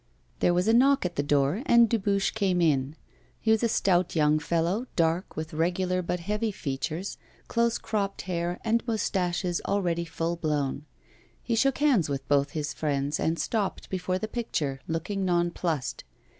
There was a knock at the door, and Dubuche came in. He was a stout young fellow, dark, with regular but heavy features, close cropped hair, and moustaches already full blown. He shook hands with both his friends, and stopped before the picture, looking nonplussed.